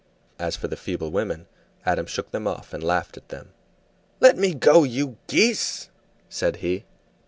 As for the feeble women Adam shook them off and laughed at them. "Let me go, you geese!" said he.